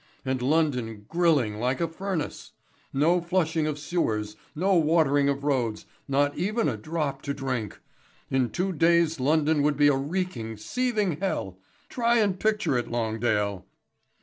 "And London grilling like a furnace! No flushing of sewers, no watering of roads, not even a drop to drink. In two days London would be a reeking, seething hell try and picture it, Longdale."